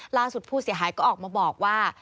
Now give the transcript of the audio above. ล่าสุดผู้เสียหายก็ออกมาบอกว่า